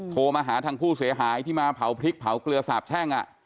โทรมาหาทางผู้เสียหายที่มาเผาพริกเผาเกลือสาบแช่ง